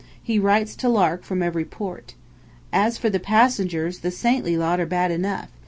He writes to Lark from every port. As for the passengers, the saintly lot are bad enough.